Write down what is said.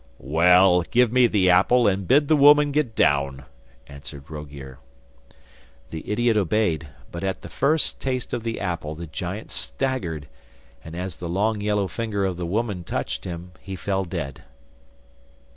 'Well, give me the apple, and bid the woman get down,' answered Rogear. The idiot obeyed, but at the first taste of the apple the giant staggered, and as the long yellow finger of the woman touched him he fell dead.